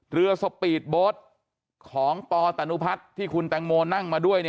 สปีดโบ๊ทของปตนุพัฒน์ที่คุณแตงโมนั่งมาด้วย